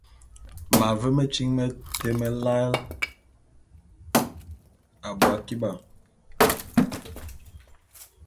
M’ave metyiñ mete melae abui akiba.